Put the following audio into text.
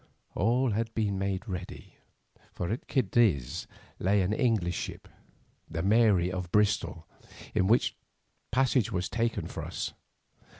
All had been made ready, for at Cadiz lay an English ship, the 'Mary' of Bristol, in which passage was taken for us.